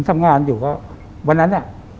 ผมทำงานอยู่ก็วันนั้น